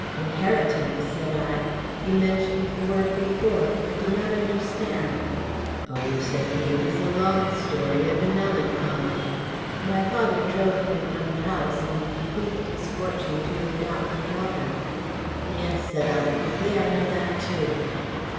"Inheritance!" said I. "You mentioned the word before. I do not understand." "Oh," said he, "it is a long story and a melancholy. My father drove me from the house, and bequeathed his fortune to an adopted daughter." "Yes," said I quickly, "I know that too."